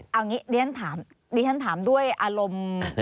เอาอย่างนี้เดี๋ยวฉันถามด้วยอารมณ์